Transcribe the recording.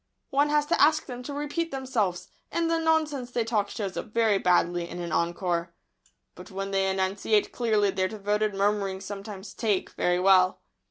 One has to ask them to repeat themselves, and the nonsense they talk shows up very badly in an encore. But when they enunciate clearly their devoted murmurings sometimes "take" very well.